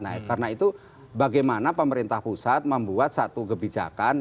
nah karena itu bagaimana pemerintah pusat membuat satu kebijakan